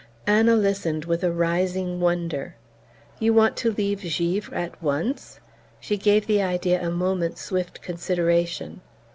Anna listened with a rising wonder. "You want to leave Givre at once?" She gave the idea a moment's swift consideration.